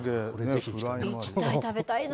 行きたい、食べたいな。